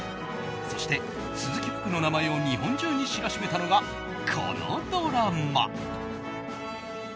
そして、鈴木福の名前を日本中に知らしめたのがこのドラマ。